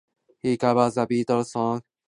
He covers The Beatles' song I'll Follow the Sun.